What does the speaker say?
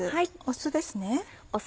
酢ですね。